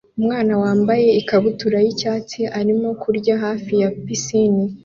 Umwana wambaye ikabutura y'icyatsi arimo kurya hafi ya pisine